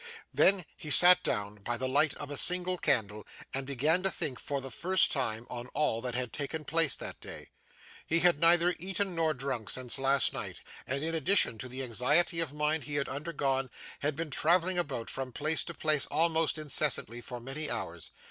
Then, he sat down by the light of a single candle, and began to think, for the first time, on all that had taken place that day. He had neither eaten nor drunk since last night, and, in addition to the anxiety of mind he had undergone, had been travelling about, from place to place almost incessantly, for many hours.